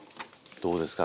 どうですか